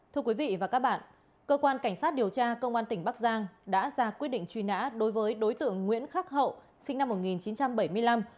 thưa quý vị và các bạn cơ quan cảnh sát điều tra công an tỉnh bắc giang đã ra quyết định truy nã đối với đối tượng nguyễn khắc hậu sinh năm một nghìn chín trăm bảy mươi năm